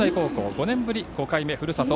５年ぶり５回目ふるさと